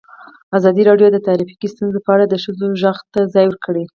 ازادي راډیو د ټرافیکي ستونزې په اړه د ښځو غږ ته ځای ورکړی.